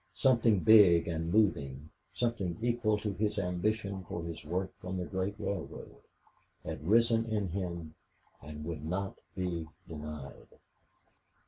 Something big and moving something equal to his ambition for his work on the great railroad had risen in him and would not be denied.